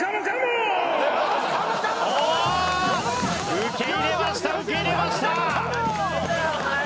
受け入れました受け入れました！